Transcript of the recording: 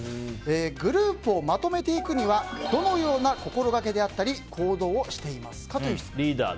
グループをまとめていくにはどのような心掛けであったり行動をしていますか？という質問です。